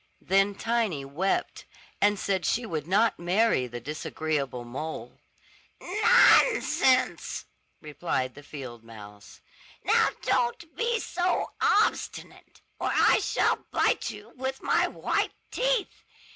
Then Tiny wept, and said she would not marry the disagreeable mole. "Nonsense," replied the field mouse. "Now don't be obstinate, or I shall bite you with my white teeth.